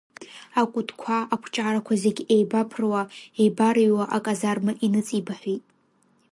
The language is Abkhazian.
Акәытқәа, акәҷарақәа зегь еибарԥыруа, еибарыҩуа аказарма иныҵеибаҳәеит.